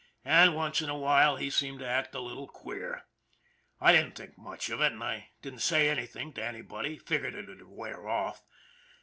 And once in a while he seemed to act a little queer. I didn't think much of it and I didn't say anything to anybody, figuring it would wear off.